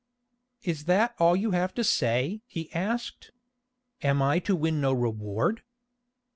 "Is that all you have to say?" he asked. "Am I to win no reward?"